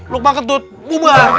lukman gentut bubar